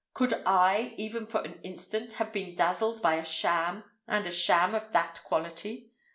Could I, even for an instant, have been dazzled by a sham, and a sham of that quality?